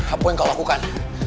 apa yang kau lakukan